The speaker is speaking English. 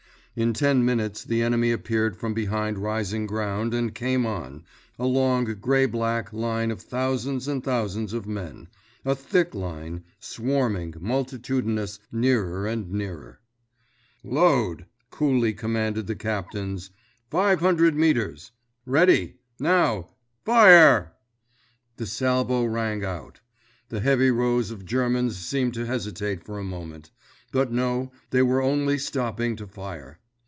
In ten minutes the enemy appeared from behind rising ground and came on—a long, gray black line of thousands and thousands of men, a thick line, swarming, multitudinous, nearer and nearer. "Load!" coolly commanded the captains; "500 meters. Ready, now—fire!" Their salvo rang out. The heavy rows of Germans seemed to hesitate for a moment; but no, they were only stopping to fire.